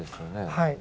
はい。